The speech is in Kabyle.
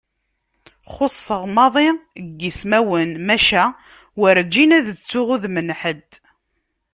Xuṣṣeɣ maḍi deg ismawen, maca werǧin ad ttuɣ udem n ḥedd.